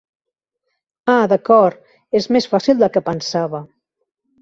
Ah d'acord, és més fàcil del que pensava.